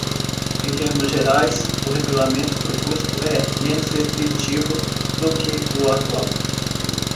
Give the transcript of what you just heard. Em termos gerais, o regulamento proposto é menos restritivo do que o atual.